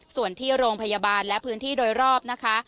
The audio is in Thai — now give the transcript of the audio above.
ส่วนที่โรงพยาบาลและพื้นที่โดยรอบนะคะ